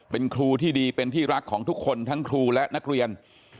เป็นครูที่ดีเป็นที่รักของทุกคนทั้งครูและนักเรียน